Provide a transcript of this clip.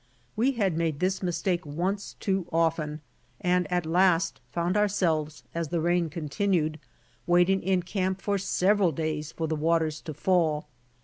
We had made this mistake once too often and at last found ourselves, as the rain continued, waiting in camp for several days for the waters to fall.